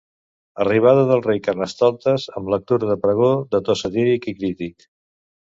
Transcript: Arribada del rei Carnestoltes amb lectura del pregó de to satíric i crític.